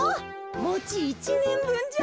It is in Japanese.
もち１ねんぶんじゃ。